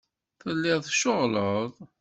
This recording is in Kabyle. Telliḍ tceɣleḍ.